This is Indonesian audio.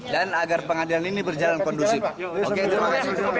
dan agar pengadilan ini berjalan kondusif